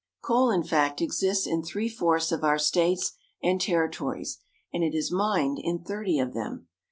Coal, in fact, exists in three fourths of our states and territories, and it is mined in thirty of them.